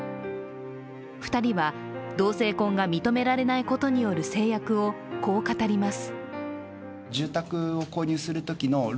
２人は同性婚が認められないことによる制約を、こう語ります。